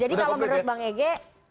jadi kalau menurut bang ege